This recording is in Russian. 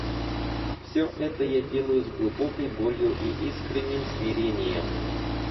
Все это я делаю с глубокой болью и искренним смирением.